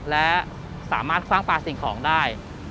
และสามารถคว่างปลาสิ่งของได้